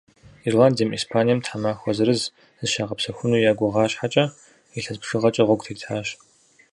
Ирландием, Испанием тхьэмахуэ зырыз зыщагъэпсэхуну я гугъа щхьэкӏэ, илъэс бжыгъэкӏэ гъуэгу тетащ.